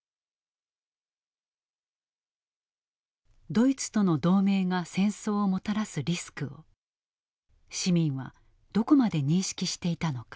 ドイツとの同盟が戦争をもたらすリスクを市民はどこまで認識していたのか。